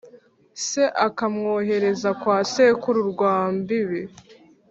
se akamwohereza kwa sekuru rwambibi